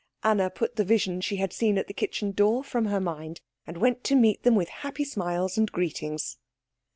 Anna put the vision she had seen at the kitchen door from her mind, and went to meet them with happy smiles and greetings.